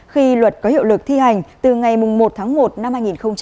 khi luật có hiệu lực thi hành từ ngày một tháng một năm hai nghìn một mươi tám